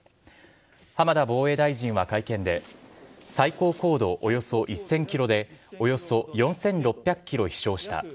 浜田防衛大臣は会見で、最高高度およそ１０００キロで、およそ４６００キロ飛しょうした。